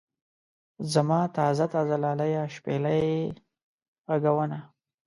زما تازه تازه لاليه شپېلۍ غږونه.